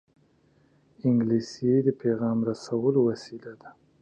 انګلیسي د پېغام رسولو وسیله ده